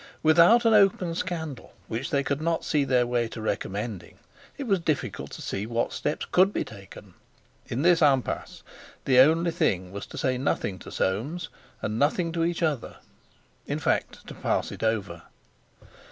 Without an open scandal which they could not see their way to recommending, it was difficult to see what steps could be taken. In this impasse, the only thing was to say nothing to Soames, and nothing to each other; in fact, to pass it over.